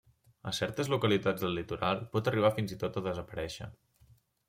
A certes localitats del litoral pot arribar fins i tot a desaparèixer.